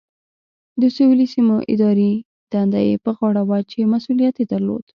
د سویلي سیمو اداري دنده یې په غاړه وه چې مسؤلیت یې درلود.